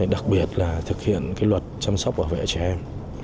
đặc biệt là thực hiện luật chăm sóc bảo vệ trẻ em